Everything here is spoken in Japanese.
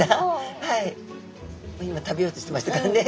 今食べようとしてましたからね